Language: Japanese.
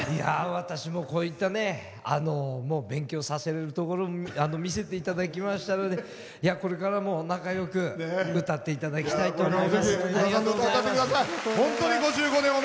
私もこういった勉強するところを見せていただきましたのでこれからも仲よく歌っていただきたいと思います。